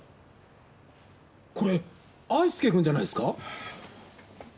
これ愛介くんじゃないですか？